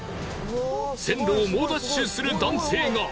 線路を猛ダッシュする男性が！